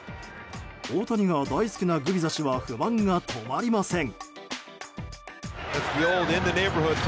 大谷が大好きなグビザ氏は不満が止まりません。